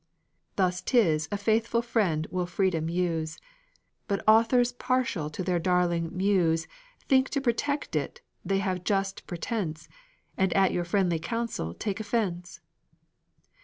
Thus 'tis a faithful friend will freedom use. But authors partial to their darling muse Think to protect it they have just pretense, And at your friendly counsel take offense.